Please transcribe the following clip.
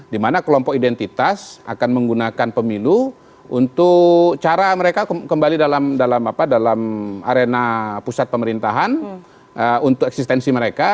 dimana kelompok identitas akan menggunakan pemilu untuk cara mereka kembali dalam arena pusat pemerintahan untuk eksistensi mereka